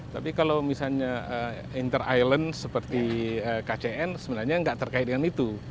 tapi kalau misalnya inter island seperti kcn sebenarnya tidak terkait dengan itu